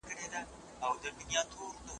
ایا علم کوم حد لري؟